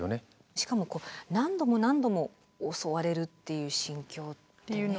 しかも何度も何度も襲われるっていう心境ってね。